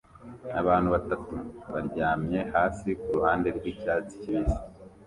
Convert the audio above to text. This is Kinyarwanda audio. Abantu batatu baryamye hasi kuruhande rwicyatsi kibisi